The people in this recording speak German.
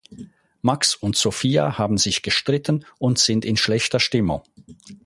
Max und Sophia haben sich gestritten und sind in schlechter Stimmung.